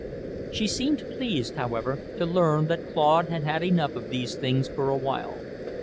She seemed pleased, however, to learn that Claude had had enough of these things for awhile.